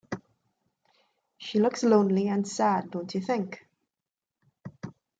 She looks lonely and sad, don’t you think?